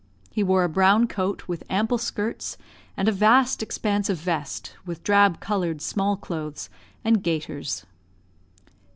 He wore a brown coat, with ample skirts, and a vast expanse of vest, with drab coloured small clothes and gaiters.